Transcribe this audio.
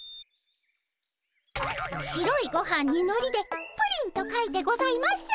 白いごはんにのりで「プリン」と書いてございます。